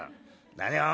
何を？